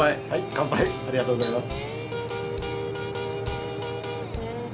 乾杯ありがとうございます。